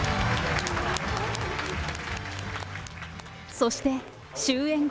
そして終演後。